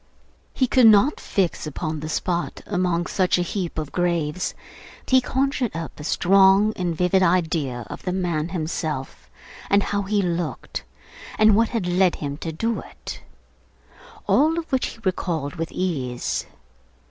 He could not fix upon the spot among such a heap of graves, but he conjured up a strong and vivid idea of the man himself, and how he looked, and what had led him to do it; all of which he recalled with ease.